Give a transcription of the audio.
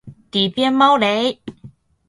底边猫雷！